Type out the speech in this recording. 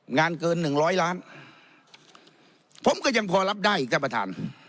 เงินเกินหนึ่งร้อยล้านผมก็ยังพอรับได้อีกท่านประธาน